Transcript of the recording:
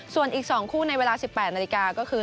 ส่วนอีก๒คู่ในเวลา๑๘นาฬิกาก็คือ